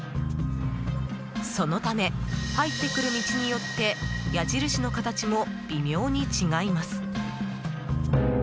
そのため、入ってくる道によって矢印の形も微妙に違います。